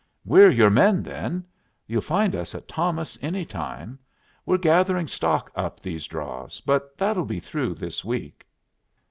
"We're your men, then. You'll find us at Thomas any time. We're gathering stock up these draws, but that'll be through this week."